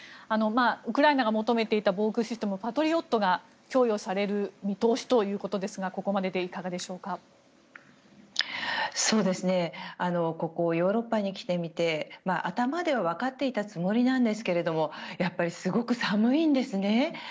ウクライナが求めていた防空システムのパトリオットが供与される見通しということですがここヨーロッパに来てみて頭では分かっていたつもりなんですけどやっぱりすごく寒いんですね。